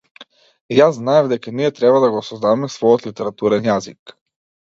Јас знаев дека ние треба да го создаваме својот литературен јазик.